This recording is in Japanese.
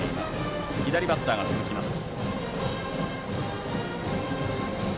左バッターが続きます。